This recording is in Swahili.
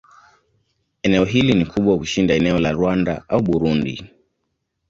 Eneo hili ni kubwa kushinda eneo la Rwanda au Burundi.